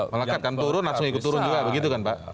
melekat kan turun langsung ikut turun juga begitu kan pak